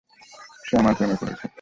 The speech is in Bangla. সে আমার প্রেমে পড়েছে।